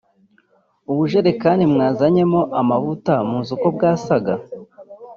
ubujerekani mwazanyemo amavuta muzi uko bwasaga